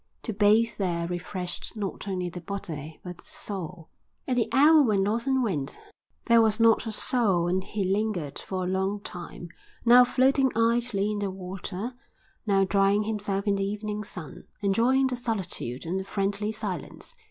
To bathe there refreshed not only the body but the soul. At the hour when Lawson went, there was not a soul and he lingered for a long time, now floating idly in the water, now drying himself in the evening sun, enjoying the solitude and the friendly silence.